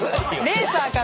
レーサーかな。